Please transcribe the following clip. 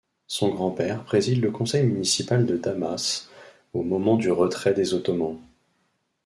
Son grand-père préside le conseil municipal de Damas au moment du retrait des Ottomans.